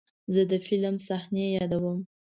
زه د فلم صحنې یادوم.